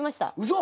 嘘！？